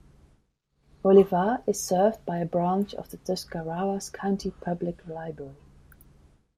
Bolivar is served by a branch of the Tuscarawas County Public Library.